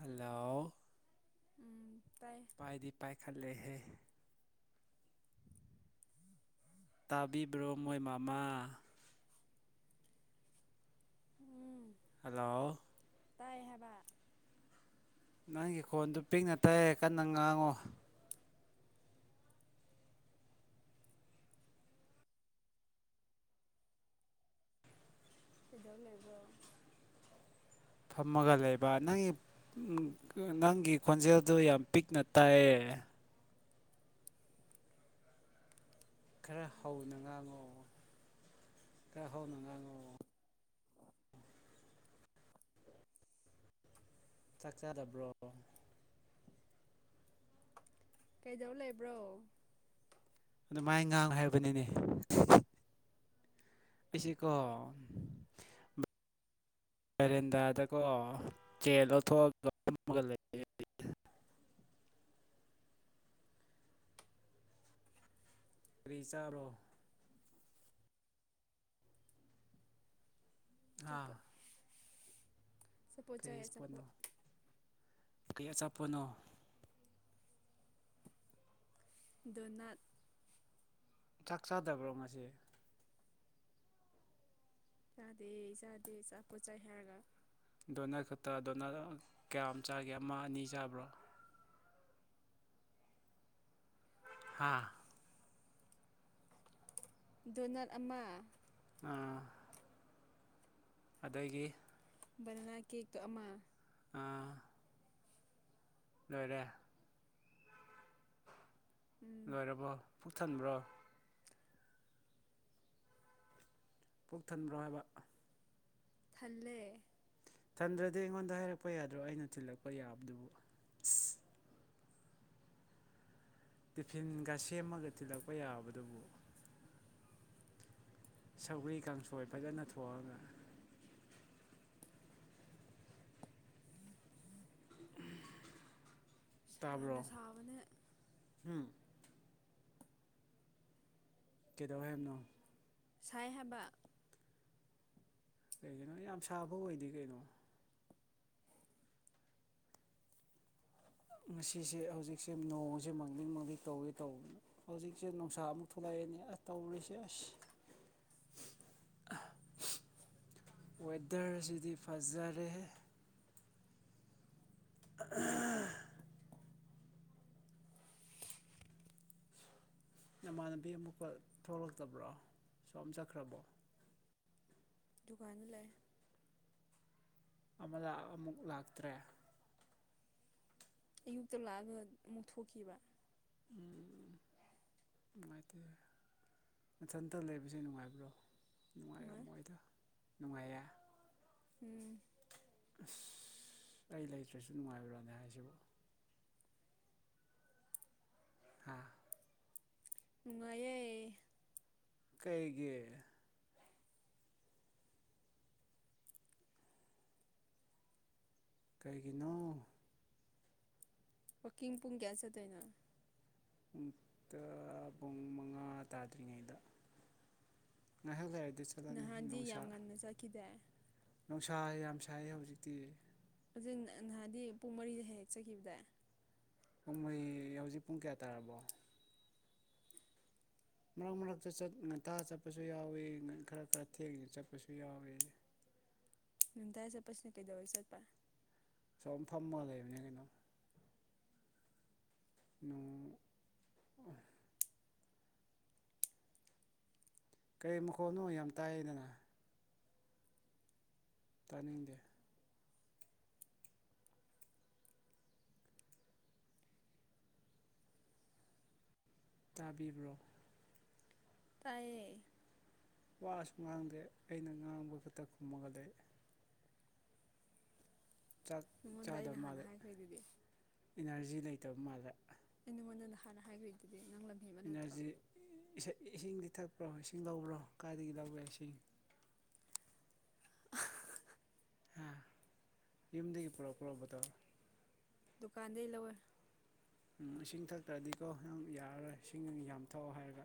ꯍꯜꯂꯥꯎ ꯎꯝ ꯇꯥꯏ ꯄꯥꯏꯗꯤ ꯄꯥꯏꯈꯠꯂꯦꯍꯦ [inaudible] ꯇꯥꯕꯤꯕ꯭ꯔꯣ ꯃꯣꯏ ꯃꯃꯥ ꯎꯝ ꯍꯜꯂꯣ ꯇꯥꯏ ꯍꯥꯏꯕ ꯅꯪꯒꯤ ꯈꯣꯟꯗꯨ ꯄꯤꯛꯅ ꯇꯥꯏꯌꯦ ꯀꯟꯅ ꯉꯥꯡꯉꯣ ꯀꯩꯗꯧ ꯂꯩꯕ꯭ꯔꯣ ꯐꯝꯃꯒ ꯂꯩꯕ ꯅꯪꯒꯤ ꯅꯪꯒꯤ ꯈꯣꯟꯖꯦꯜꯗꯨ ꯌꯥꯝ ꯄꯤꯛꯅ ꯇꯥꯏꯌꯦ ꯈꯔ ꯍꯥꯎꯅ ꯉꯡꯉꯣ ꯈꯔ ꯍꯧꯅ ꯉꯡꯉꯣ ꯆꯥꯛ ꯆꯥꯗꯕ꯭ꯔꯣ ꯀꯩꯗꯧ ꯂꯩꯕ꯭ꯔꯣ ꯑꯗꯨ ꯃꯥꯏ ꯉꯥꯡ ꯍꯥꯏꯕꯅꯤꯅꯦ ꯄꯤꯁꯤ ꯀꯣ [unintelligible] ꯕꯦꯔꯦꯟꯗꯥꯗꯀꯣ ꯆꯦꯜ ꯂꯧꯊꯣꯛꯑꯒ ꯐꯝꯃꯒ ꯂꯩꯌꯦ ꯀ꯭ꯔꯤ ꯆꯥꯕ꯭ꯔꯣ ꯍꯥ ꯆꯥꯄꯣꯠ ꯀꯔꯤ ꯏꯁꯄꯣꯠꯅꯣ ꯀꯩ ꯑꯆꯥꯄꯣꯠꯅꯣ ꯗꯣꯅꯠ ꯆꯥꯛ ꯆꯥꯗꯕ꯭ꯔꯣ ꯉꯁꯤ ꯆꯥꯗꯦ ꯆꯥꯗꯦ ꯆꯥꯄꯣꯠ ꯆꯥꯏ ꯍꯥꯏꯔꯒ ꯗꯣꯅꯠ ꯈꯛꯇꯥ ꯗꯣꯅꯔ ꯀꯌꯥꯝ ꯆꯥꯒꯦ ꯑꯃ ꯑꯅꯤ ꯆꯥꯕ꯭ꯔꯣ ꯍꯥꯥ ꯗꯣꯅꯠ ꯑꯃ ꯑꯥ ꯑꯗꯒꯤ ꯕꯅꯥꯅ ꯀꯦꯛꯇꯣ ꯑꯃ ꯑꯥ ꯂꯣꯏꯔꯦ ꯎꯝ ꯂꯣꯏꯔꯕꯣ ꯄꯨꯛ ꯊꯟꯕ꯭ꯔꯣ ꯄꯨꯛ ꯊꯟꯕ꯭ꯔꯣ ꯍꯥꯏꯕ ꯊꯜꯂꯦ ꯊꯟꯗ꯭ꯔꯥꯗꯤ ꯑꯩꯉꯣꯟꯗ ꯍꯥꯏꯔꯛꯄ ꯌꯥꯗ꯭ꯔꯣ ꯑꯩꯅ ꯊꯤꯜꯂꯛꯄ ꯌꯥꯕꯗꯨꯕꯨ ꯏꯁ ꯇꯤꯐꯤꯟꯒ ꯁꯦꯝꯃꯒ ꯊꯤꯜꯂꯛꯄ ꯌꯥꯕꯗꯨꯕꯨ ꯁꯧꯒ꯭ꯔꯤ ꯀꯥꯡꯁꯣꯏ ꯐꯖꯅ ꯊꯣꯛꯉꯥꯒ ꯁꯥꯅ ꯇꯥꯕ꯭ꯔꯣ ꯁꯥꯕꯅꯦ ꯎꯝ ꯀꯩꯗꯧꯔꯦ ꯍꯥꯏꯕꯅꯣ ꯁꯥꯏ ꯍꯥꯏꯕ ꯀꯩꯔꯤꯒꯤꯅꯣ ꯌꯥꯝ ꯁꯥꯕ ꯑꯣꯏꯗꯦ ꯀꯩꯅꯣ ꯉꯁꯤꯁꯦ ꯍꯧꯖꯤꯛꯁꯦ ꯅꯣꯡꯖꯦ ꯃꯥꯡꯗꯤꯡ ꯃꯥꯡꯂꯤ ꯇꯧꯋꯦ ꯇꯧꯕꯅꯤ ꯍꯧꯖꯤꯛꯁꯦ ꯅꯨꯡꯁꯥ ꯑꯃꯨꯛ ꯊꯣꯛꯂꯛꯑꯦꯅꯦ ꯑꯁ ꯇꯧꯔꯤꯁꯦ ꯑꯁ ꯋꯦꯗꯔꯁꯤꯗꯤ ꯐꯖꯔꯦꯍꯦ [unintelligible] ꯅꯃꯥꯟꯅꯕꯤ ꯑꯃꯨꯛꯀ ꯊꯣꯛꯂꯛꯇꯕ꯭ꯔꯣ ꯁꯣꯝ ꯆꯠꯈ꯭ꯔꯕꯣ ꯗꯨꯀꯥꯟꯗ ꯂꯩ ꯑꯃꯗ ꯑꯃꯨꯛ ꯂꯥꯛꯇ꯭ꯔꯦ ꯑꯌꯨꯛꯇ ꯂꯥꯛꯑꯒ ꯑꯃꯨꯛ ꯊꯣꯛꯈꯤꯕ ꯎꯝ ꯅꯨꯡꯉꯥꯏꯇꯦ ꯃꯊꯟꯇ ꯂꯩꯕꯁꯦ ꯅꯨꯡꯉꯥꯏꯕ꯭ꯔꯣ ꯅꯨꯉꯥꯏ ꯅꯨꯡꯉꯥꯏꯔꯝꯃꯣꯏꯗ ꯅꯨꯡꯉꯥꯏꯌꯦ ꯎꯝ ꯑꯁ ꯑꯩ ꯂꯩꯇ꯭ꯔꯁꯨ ꯅꯨꯡꯉꯥꯏꯕ꯭ꯔꯥꯅꯦ ꯍꯥꯏꯁꯤꯕꯣ ꯍꯥ ꯅꯨꯡꯉꯥꯏꯌꯦ ꯀꯩꯒꯤ ꯀꯩꯒꯤꯅꯣ ꯋꯥꯀꯤꯡ ꯄꯨꯡ ꯀꯌꯥꯗ ꯆꯠꯇꯣꯏꯅꯣ ꯑꯃꯨꯛꯇ ꯄꯨꯡ ꯃꯉꯥ ꯇꯥꯗ꯭ꯔꯤꯉꯩꯗ ꯉꯥꯏꯍꯥꯛ ꯂꯩꯔꯗꯤ ꯆꯠ ꯅꯍꯥꯟꯗꯤ ꯌꯥꯝ ꯉꯟꯅ ꯆꯠꯈꯤꯗꯥꯏ ꯅꯨꯡꯁꯥ ꯌꯥꯝ ꯁꯥꯏꯌꯦ ꯍꯧꯖꯤꯛꯇꯤ ꯑꯗꯨ ꯅꯍꯥꯟꯗꯤ ꯄꯨꯡ ꯃꯔꯤꯗ ꯍꯦꯛ ꯍꯦꯛ ꯆꯈꯤꯕꯗꯥꯏ ꯄꯨꯡ ꯃꯔꯤ ꯍꯧꯖꯤꯛ ꯄꯨꯡ ꯀꯌꯥ ꯇꯥꯔꯕꯣ ꯃꯔꯛ ꯃꯔꯛꯇ ꯆꯠ ꯉꯟꯇꯥ ꯆꯠꯄꯁꯨ ꯌꯥꯎꯋꯤ ꯈꯔ ꯈꯔ ꯊꯦꯡꯉ ꯆꯠꯄꯁꯨ ꯌꯥꯎꯏ ꯉꯟꯇꯥ ꯆꯠꯄꯁꯤꯅ ꯀꯩꯗꯧꯔ ꯆꯠꯄ ꯁꯨꯝ ꯐꯝꯃꯒ ꯂꯩꯕꯅꯤ ꯀꯩꯅꯣ ꯅꯣꯡ ꯀꯔꯤ ꯃꯈꯣꯟꯅꯣ ꯌꯥꯝ ꯇꯥꯏꯑꯦꯗꯅ ꯇꯥꯅꯤꯡꯗꯦ ꯇꯥꯕꯤꯕ꯭ꯔꯣ ꯇꯥꯏꯌꯦ ꯋꯥꯁꯨ ꯉꯥꯡꯗꯦ ꯑꯩꯅ ꯉꯥꯡꯕ ꯈꯛꯇ ꯈꯨꯝꯃꯒ ꯂꯩ ꯆꯥꯛ ꯅꯉꯣꯟꯗ ꯑꯩꯅ ꯆꯥꯗꯕ ꯍꯥꯟꯅ ꯃꯥꯜꯂꯦ ꯍꯥꯏꯈ꯭ꯔꯦꯗꯨꯗꯤ ꯏꯅꯔꯖꯤ ꯂꯩꯇꯕ ꯃꯥꯜꯂꯦ ꯑꯩ ꯅꯉꯣꯟꯗ ꯅꯍꯥꯟꯅ ꯍꯥꯏꯒ꯭ꯔꯤꯗꯨꯗꯤ ꯅꯪ ꯂꯪ ꯏꯅꯔꯖꯤ ꯏꯁꯤꯡꯗꯤ ꯊꯛꯄ꯭ꯔꯣ ꯏꯁꯤꯡ ꯂꯧꯕ꯭ꯔꯣ ꯀꯥꯏꯗꯒꯤ ꯂꯧꯕ꯭ꯔ ꯏꯁꯤꯡ ꯍꯥ ꯌꯨꯝꯗꯒꯤ ꯄꯨꯔꯛꯄ꯭ꯔꯣ ꯕꯣꯇꯜ ꯗꯨꯀꯥꯟꯗꯩ ꯂꯧꯋꯦ ꯎꯝ ꯏꯁꯤꯡ ꯊꯛꯇ꯭ꯔꯗꯤꯀꯣ ꯅꯪ ꯌꯥꯔꯔꯣꯏ ꯏꯁꯤꯡ ꯌꯥꯝ ꯊꯛꯑꯣ ꯍꯥꯏꯔꯒ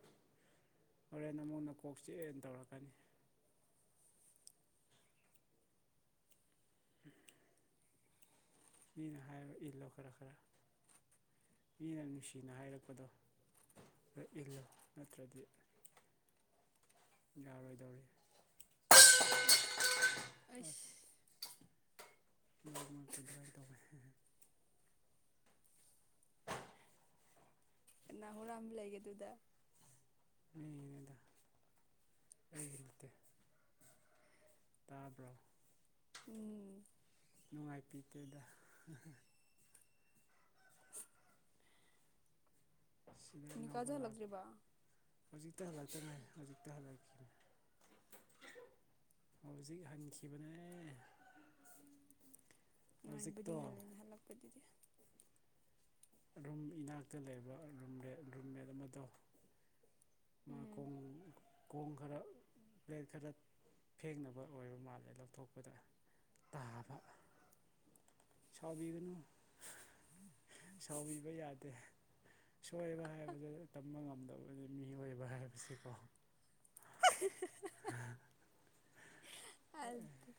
ꯍꯣꯔꯦꯟ ꯑꯃꯨꯛ ꯅꯀꯣꯛ ꯆꯤꯛꯑꯦꯅ ꯇꯧꯔꯛꯀꯅꯤ [inaudible] ꯃꯤꯅ ꯍꯥꯏꯕ ꯏꯜꯂꯣ ꯈꯔ ꯈꯔ ꯃꯤꯅ ꯅꯨꯡꯁꯤꯅ ꯍꯥꯏꯔꯛꯄꯗꯣ ꯑꯗꯨ ꯏꯜꯂꯨ ꯅꯠꯇ꯭ꯔꯗꯤ ꯌꯥꯔꯣꯏꯗꯧꯔꯤ [unintelligible] ꯑꯁ ꯑꯩꯁ [unintelligible] ꯅꯅꯥꯍꯣꯔꯥꯝ ꯂꯩꯒꯦꯗꯨꯗ ꯃꯤꯗ ꯑꯩꯒꯤ ꯅꯠꯇ ꯇꯥꯕ꯭ꯔꯣ ꯎꯝ ꯅꯨꯡꯉꯥꯏ ꯄꯗꯦꯗ [unintelligible] ꯅꯤꯀꯥꯖꯥ ꯂꯛꯖꯦꯕꯥ ꯍꯧꯖꯤꯛꯇꯛꯇ ꯍꯜꯂꯣꯏ ꯀ ꯍꯧꯖꯤꯛꯇꯛꯇ ꯍꯂꯣꯏ ꯀ ꯍꯧꯖꯤꯛ ꯍꯟꯈꯤꯕꯅꯦ ꯉꯥꯟꯕꯗꯤ ꯍꯧꯖꯤꯛꯇꯣ ꯉꯜꯂꯦꯅ ꯍꯜꯂꯛꯄꯗꯨꯗꯤ ꯔꯨꯝ ꯏꯅꯥꯛꯇ ꯂꯩꯕ ꯔꯨꯝꯠ ꯔꯨꯝꯃꯦꯠ ꯑꯃꯗꯣ ꯃꯥ ꯎꯝ ꯀꯨꯝ ꯈꯣꯡ ꯈꯔ ꯄ꯭ꯂꯦꯠ ꯈꯔ ꯐꯦꯡꯅꯕ ꯑꯣꯏꯕ ꯃꯥꯜꯂꯦ ꯂꯧꯊꯣꯛꯄꯗ ꯇꯥꯕ ꯁꯥꯎꯕꯤꯒꯅꯨ ꯁꯥꯎꯕꯤꯕ ꯌꯥꯗꯦ ꯁꯣꯏꯕ ꯍꯥꯏꯕꯕꯁꯤ ꯇꯝꯕ ꯉꯝꯗꯕꯅꯤ ꯃꯤꯑꯣꯏꯕ ꯍꯥꯏꯕꯁꯤꯀꯣ [unintelligible] ꯑ ꯑꯗꯨ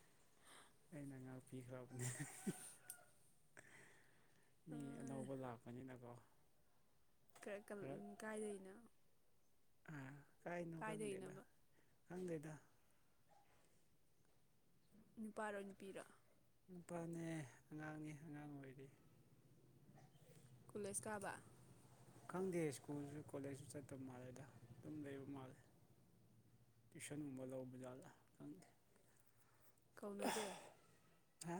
ꯑꯩꯅ ꯉꯥꯛꯄꯤꯈ꯭ꯔꯕꯅꯦ ꯃꯤ ꯑꯅꯧꯕ ꯂꯥꯛꯄꯅꯤꯅꯀꯣ ꯈꯔ ꯀꯥꯏꯗꯅꯣ ꯑꯥ ꯀꯥꯏꯅꯣ ꯈꯪꯗꯦꯗ ꯀꯥꯏꯗꯩꯅꯣꯕ ꯈꯪꯗꯦꯗ ꯅꯨꯄꯥꯔꯣ ꯅꯨꯄꯤꯔꯥ ꯅꯨꯄꯥꯅꯦ ꯑꯉꯥꯡꯅꯦ ꯑꯉꯥꯡ ꯑꯣꯏꯔꯤ ꯀꯣꯂꯦꯁ ꯀꯥꯕ ꯈꯪꯗꯦ ꯁ꯭ꯀꯨꯜꯁꯨ ꯀꯣꯂꯦꯖꯁꯨ ꯆꯠꯇꯕ ꯃꯥꯜꯂꯦꯗ ꯑꯗꯨꯝ ꯂꯩꯕ ꯃꯥꯜꯂꯦ ꯇꯨꯏꯁꯟꯒꯨꯝꯕ ꯂꯧꯕ ꯖꯥꯠꯂꯥ ꯈꯪꯗꯦ ꯀꯧꯅꯗꯦ ꯍꯥ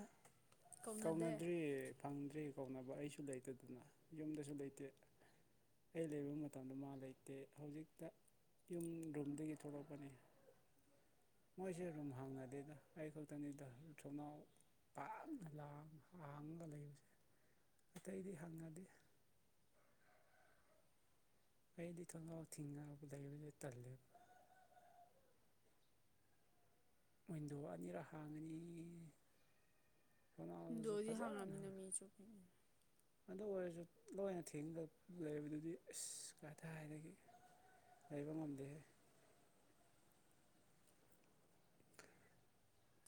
ꯀꯧꯅꯗꯦ ꯀꯧꯅꯗ꯭ꯔꯤ ꯐꯪꯗ꯭ꯔꯤ ꯀꯥꯎꯅꯕ ꯑꯩꯁꯨ ꯂꯩꯇꯗꯅ ꯌꯨꯝꯗꯁꯨ ꯂꯩꯇꯦ ꯑꯩ ꯂꯩꯕ ꯃꯇꯝꯗ ꯃꯥ ꯂꯩꯇꯦ ꯍꯧꯖꯤꯛꯇ ꯌꯨꯝ ꯔꯨꯝꯗꯒꯤ ꯊꯣꯛꯂꯛꯄꯅꯤ ꯃꯣꯏꯁꯦ ꯔꯨꯝ ꯍꯥꯡꯉꯗꯦꯗ ꯑꯩ ꯈꯛꯇꯅꯤꯗ ꯊꯣꯡꯅꯥꯎ ꯄꯥꯛꯅ ꯂꯥꯡ ꯍꯥꯡꯉꯒ ꯂꯩꯕꯁꯦ ꯑꯇꯩꯗꯤ ꯍꯪꯉꯗꯤ ꯑꯩꯗꯤ ꯊꯣꯡꯅꯥꯥꯎ ꯊꯤꯡꯅꯔꯕꯗ ꯂꯩꯕꯗ ꯇꯜꯂꯦꯕ ꯋꯤꯟꯗꯣ ꯑꯅꯤꯔ ꯍꯥꯡꯅꯤ ꯗꯣꯗꯤ ꯐꯖꯅ ꯍꯪꯒꯥꯃꯤ ꯅꯃꯤ ꯆꯀ ꯑꯗꯨ ꯑꯣꯏꯔꯁꯨ ꯂꯣꯏꯅ ꯊꯦꯡꯒ ꯂꯩꯕꯗꯨꯗꯤ ꯑꯁ ꯀꯥ ꯊ ꯍꯥꯏꯗꯒꯤ ꯂꯩꯕ ꯃꯗꯦꯦ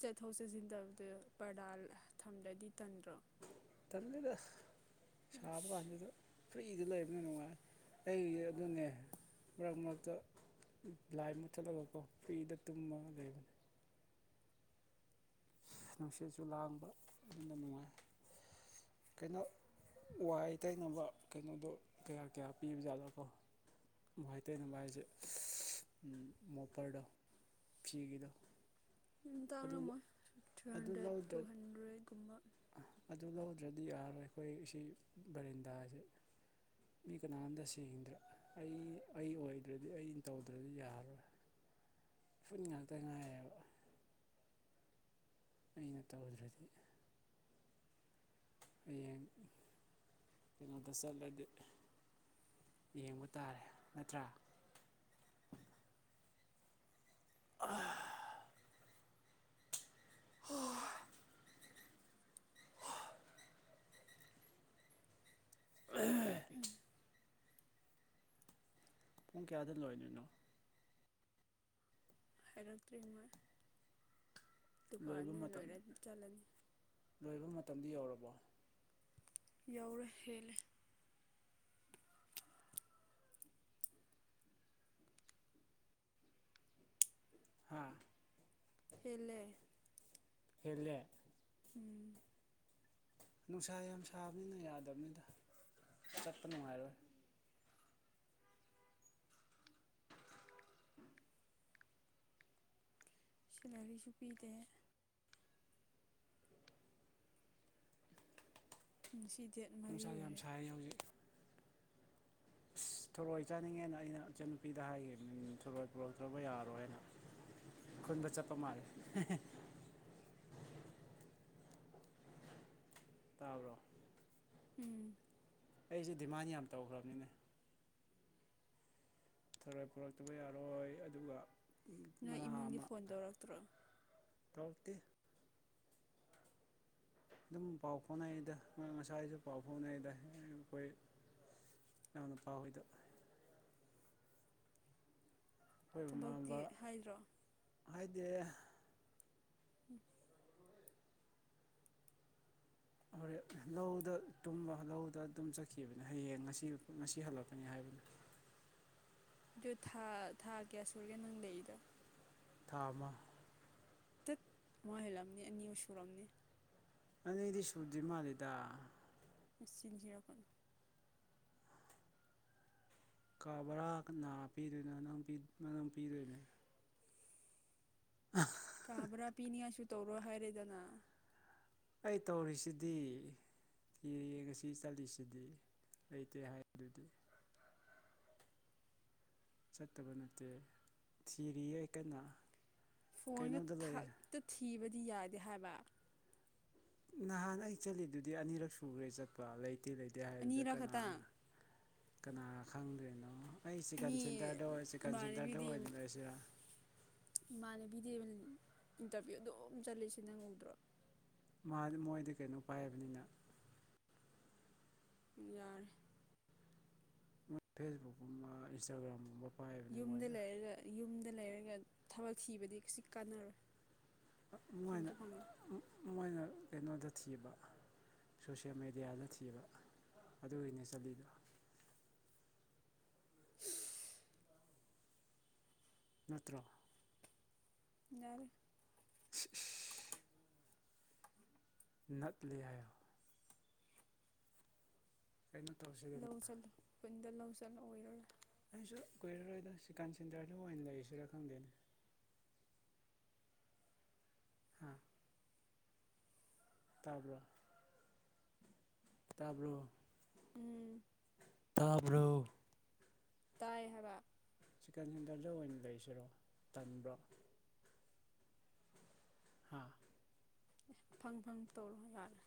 ꯆꯠꯊꯣꯛ ꯆꯠꯁꯤꯟ ꯇꯕꯗ ꯄꯔꯗꯥ ꯊꯝꯂ꯭ꯔꯗꯤ ꯇꯟꯗ꯭ꯔꯣ ꯇꯂꯗ ꯁꯥꯕ ꯑꯁ ꯀꯥꯟꯁꯤꯗ ꯐ꯭ꯔꯤꯗ ꯂꯩꯕꯅ ꯅꯨꯡꯉꯥꯏ ꯑꯩ ꯑꯗꯨꯅꯦ ꯃꯔꯛ ꯃꯔꯛꯇ ꯂꯥꯏ ꯃꯨꯠꯊꯠꯂꯒꯀꯣ ꯐꯤꯗ ꯇꯨꯝꯃꯒ ꯂꯩꯕꯅꯦ ꯅꯨꯡꯁꯤꯠꯁꯨ ꯂꯥꯡꯕ ꯑꯗꯨꯅ ꯅꯨꯡꯉꯥꯏ ꯀꯩꯅꯣ ꯋꯥꯍꯩ ꯇꯩꯅꯕ ꯀꯩꯅꯣꯗꯣ ꯀꯌꯥ ꯀꯌꯥ ꯄꯤꯕꯖꯥꯠꯅꯣꯀꯣ ꯥꯏ ꯇꯩꯅꯕ ꯍꯥꯏꯁꯦ ꯃꯣꯄꯔꯗꯣ ꯐꯤꯒꯤꯗꯣ ꯎꯝ ꯑꯗꯨ ꯇꯥꯔꯝꯃꯣꯏ ꯊ꯭ꯔꯤ ꯑꯗꯨ ꯍꯟꯗ꯭ꯔꯦꯠ ꯇꯨ ꯂꯧꯗ꯭ꯔ ꯍꯟꯗ꯭ꯔꯦꯠꯀꯨꯝꯕ ꯑꯗꯨ ꯂꯧꯗ꯭ꯔꯗꯤ ꯌꯥꯔꯔꯣꯏ ꯑꯩꯈꯣꯏ ꯑꯁꯤ ꯕꯦꯔꯟꯗꯥꯁꯦ ꯃꯤ ꯀꯅꯥꯝꯇ ꯁꯦꯡꯗ꯭ꯔꯥ ꯑꯩ ꯑꯩ ꯑꯣꯏꯗ꯭ꯔꯗꯤ ꯑꯩꯅ ꯇꯧꯗ꯭ꯔꯗꯤ ꯌꯥꯔꯣꯏ ꯎꯐꯨꯟ ꯉꯥꯛꯇ ꯉꯥꯏꯔꯦꯕ ꯑꯩꯅ ꯇꯧꯗ꯭ꯔꯗꯤ ꯍꯌꯦꯡ ꯀꯩꯅꯣꯗ ꯆꯠꯂꯗꯤ ꯌꯦꯡꯕ ꯇꯥꯔꯦ ꯅꯠꯇ꯭ꯔꯥ [unintelligible] [unintelligible] [unintelligible] [unintelligible] ꯄꯨꯡ ꯀꯌꯥꯗ ꯂꯣꯏꯗꯣꯏꯅꯣ ꯍꯥꯏꯔꯛꯇ꯭ꯔꯤ ꯃꯣꯏ ꯂꯣꯏꯕ ꯗꯨꯀꯥꯟꯅꯤ ꯃꯇꯝ ꯂꯣꯏꯔ ꯆꯠꯂꯅꯤ ꯂꯣꯏꯕ ꯃꯇꯝꯗꯥ ꯌꯧꯔꯕꯣ ꯌꯧꯔꯦ ꯍꯦꯜꯂꯦ ꯍꯥꯥ ꯍꯦꯜꯂꯦ ꯍꯦꯜꯂꯦ ꯎꯝ ꯅꯨꯡꯁꯥ ꯌꯥꯝ ꯁꯥꯕꯅꯤꯅ ꯌꯥꯗꯕꯅꯤꯗ ꯆꯠꯄ ꯅꯨꯡꯉꯥꯏꯔꯣꯏ ꯁꯤꯂꯥꯔꯤꯁꯨ ꯄꯤꯗꯦ ꯉꯥꯁꯤ ꯗꯦꯠ ꯃꯔꯤ ꯅꯨꯡꯁꯥ ꯌꯥꯝ ꯑꯣꯏꯔꯦ ꯁꯥꯏ ꯍꯧꯖꯤꯛ ꯑꯁ ꯊꯣꯔꯣꯏ ꯆꯥꯅꯤꯡꯉꯦꯅ ꯑꯩꯅ ꯏꯆꯟꯅꯨꯄꯤꯗ ꯍꯥꯏꯒꯝꯃꯤ ꯊꯣꯔꯣꯏ ꯄꯨꯔꯛꯇ꯭ꯔꯕ ꯌꯥꯔꯣꯏ ꯍꯥꯏꯅ ꯈꯨꯟꯕ ꯆꯠꯄ ꯃꯥꯜꯂꯦ ꯇꯥꯕ꯭ꯔꯣ ꯎꯝ ꯑꯩꯁꯦ ꯗꯤꯃꯥꯟ ꯌꯥꯝ ꯇꯧꯈ꯭ꯔꯝꯅꯤꯅꯦ ꯊꯔꯣꯏ ꯄꯨꯔꯛꯇꯕ ꯌꯥꯔꯣꯏ ꯑꯗꯨꯒ ꯅꯣꯏ ꯃꯅꯥ ꯏꯃꯨꯡꯒꯤ ꯑꯃ ꯐꯣꯟ ꯇꯧꯔꯛꯇ꯭ꯔꯣ [unintelligible] ꯑꯗꯨꯝ ꯄꯥꯎ ꯐꯥꯎꯅꯩꯗ ꯉꯁꯥꯏꯁꯨ ꯄꯥꯎ ꯐꯥꯎꯅꯩꯗ ꯑꯩꯈꯣꯏ ꯅꯪ ꯅꯨꯄꯥꯍꯣꯏꯗꯨ ꯊꯕꯛꯇꯤ [unintelligible] ꯍꯥꯏꯗ꯭ꯔꯣ ꯍꯥꯏꯗꯤ ꯎꯝ [unintelligible] ꯂꯧꯗ ꯇꯨꯝꯕ ꯂꯧꯗ ꯇꯨꯝ ꯆꯠꯈꯤꯕꯅꯦ ꯍꯌꯦꯡ ꯉꯁꯤ ꯉꯁꯤ ꯍꯜꯂꯛꯀꯅꯤ ꯍꯥꯏꯕꯅꯤ ꯗꯨ ꯊꯥ ꯊꯥ ꯀꯌꯥ ꯁꯨꯔꯒꯦ ꯅꯪ ꯂꯩꯗꯣ ꯊꯥ ꯑꯃ ꯇꯠ ꯃꯣꯏꯍꯜꯂꯝꯅꯤ ꯑꯅꯤꯃꯛ ꯁꯨꯔꯝꯅꯤ ꯑꯅꯤꯗꯤ ꯁꯨꯗꯔꯤ ꯃꯥꯜꯂꯤꯗ ꯅꯆꯤꯟ ꯊꯤꯔꯥꯛꯀꯅꯨ ꯀꯥ ꯕꯥꯔꯥ ꯀꯅꯥ ꯄꯤꯗꯣꯏꯅꯣ ꯅꯪꯄꯤ ꯅꯪ ꯄꯤꯗꯣꯏꯅꯦ ꯀꯥꯕ꯭ꯔꯥ ꯄꯤꯅꯤꯉꯥꯏꯁꯨ ꯇꯧꯔꯣ ꯍꯥꯏꯔꯦꯗꯅ ꯑꯩ ꯇꯧꯔꯤꯁꯤꯗꯤ [unintelligible] ꯆꯠꯂꯤꯁꯤꯗꯤ ꯂꯩꯇꯦ ꯍꯥꯏꯗꯨꯗꯤ ꯆꯠꯇꯕ ꯅꯠꯇꯦ ꯊꯤꯔꯤꯌꯦ ꯀꯟꯅ ꯐꯣꯟꯒ ꯀꯩꯅꯣꯗ ꯂꯩ ꯊꯛꯇ ꯊꯤꯕꯗꯤ ꯌꯥꯗꯦ ꯍꯥꯏꯕ ꯅꯍꯥꯟ ꯑꯩ ꯆꯠꯂꯤꯗꯨꯗꯤ ꯑꯅꯤꯔꯛ ꯁꯨꯔꯦ ꯆꯠꯄ ꯂꯩꯇꯦ ꯂꯩꯇꯦ ꯍꯥꯏꯗꯨꯗ ꯑꯅꯤꯔꯛ ꯀꯅꯥ ꯈꯛꯇꯪ ꯀꯅꯥ ꯈꯪꯗ꯭ꯔꯤꯅꯣ ꯑꯩ ꯆꯤꯛꯀꯟ ꯃꯤ ꯁꯦꯟꯇ꯭ꯔꯗꯣ ꯆꯤꯛꯀꯟ ꯁꯦꯟꯇ꯭ꯔꯗꯣ ꯏꯃꯥꯟꯅꯕꯤꯗꯤ ꯑꯣꯏꯅ ꯂꯩꯔꯁꯤꯔꯥ ꯏꯃꯥꯟꯅꯕꯤ ꯗꯦꯕꯂꯤꯟ ꯏꯟꯇ꯭ꯔꯚ꯭ꯌꯨ ꯑꯗꯨꯝ ꯆꯠꯂꯤꯁꯤ ꯅꯪ ꯎꯗ꯭ꯔꯣ ꯃꯥꯗꯤ ꯃꯣꯏꯗꯤ ꯀꯩꯅꯣ ꯄꯥꯏꯕꯅꯤꯅ ꯌꯥꯔꯦ ꯃꯣꯏ ꯐꯦꯁꯕꯨꯛꯀꯨꯝꯕ ꯏꯟꯁꯇꯥꯒ꯭ꯔꯥꯝꯒꯨꯝꯕ ꯄꯥꯏ ꯌꯨꯝꯗ ꯂꯩꯔꯒ ꯌꯨꯝꯗ ꯂꯩꯔꯒ ꯊꯕꯛ ꯊꯤꯕꯗꯤ ꯀꯩꯁꯨ ꯀꯥꯟꯅꯔꯣꯏ ꯐꯪꯁꯨ ꯑꯗꯨꯃꯥꯏꯅ ꯐꯪꯉꯣꯏ ꯃꯣꯏꯅ ꯀꯩꯅꯣꯗ ꯊꯤꯕ ꯁꯣꯁꯦꯟ ꯃꯦꯗꯤꯌꯥꯗ ꯊꯤꯕ ꯑꯗꯨꯒꯤꯅꯦ ꯆꯠꯂꯤꯗꯣ [unintelligible] ꯅꯠꯇ꯭ꯔꯣ ꯌꯥꯔꯦ ꯏꯁ ꯏꯁ ꯅꯠꯂꯦ ꯍꯥꯏꯌꯣ ꯀꯩꯅꯣ ꯇꯧꯁꯤ ꯂꯧ ꯆꯠꯂꯣ ꯈꯨꯟꯗ ꯂꯧ ꯆꯠꯂꯣ ꯑꯣꯏꯔꯔꯣꯏ ꯑꯩꯁꯨ ꯀꯨꯏꯔꯔꯣꯏꯗ ꯆꯤꯛꯀꯥꯟ ꯁꯦꯟꯇ꯭ꯔꯗꯨ ꯑꯣꯏꯅ ꯂꯩꯔꯁꯤꯔꯥ ꯈꯪꯗꯦꯅꯦ ꯍꯥꯥ ꯇꯥꯕ꯭ꯔꯣ ꯇꯥꯕ꯭ꯔꯣ ꯎꯝ ꯇꯥꯕ꯭ꯔꯣ ꯇꯥꯏ ꯍꯥꯏꯕ ꯆꯤꯛꯀꯟ ꯁꯦꯟꯇ꯭ꯔꯗ ꯑꯣꯏꯅ ꯂꯩꯁꯤꯔꯣ ꯇꯟꯕ꯭ꯔꯣ ꯍꯥ ꯐꯪ ꯐꯪ ꯇꯧꯔꯣ ꯌꯥꯔꯦ